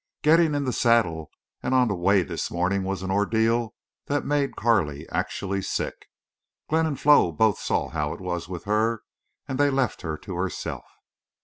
Getting in the saddle and on the way this morning was an ordeal that made Carley actually sick. Glenn and Flo both saw how it was with her, and they left her to herself.